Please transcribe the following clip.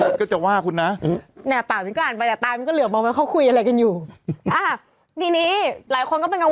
คุณไปแช่กเขาได้ยังไงเดี๋ยวเขาก็จะว่าคุณนะ